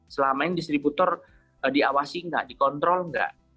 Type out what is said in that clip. selama ini distributor diawasi nggak dikontrol nggak